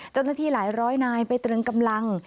เจ้าหน้าที่หลายร้อยนายไปตรึงกำลัง